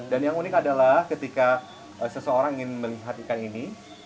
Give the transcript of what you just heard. dan yang unik adalah ketika seseorang ingin melihat ikan ini